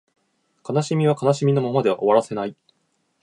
悲しみは悲しみのままでは終わらせない